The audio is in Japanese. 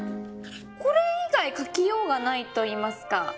これ以外描きようがないといいますか。